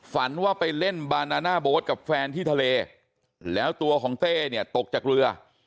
ฝันว่าไปเล่นบานาน่าโบ๊ทกับแฟนที่ทะเลแล้วตัวของเต้เนี่ยตกจากเรือ